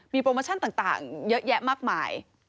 มีโปรโมชั่นต่างเยอะแยะมากมาย